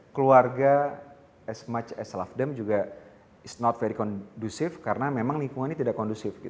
keluarga as much as i love them juga is not very conducive karena memang lingkungannya tidak kondusif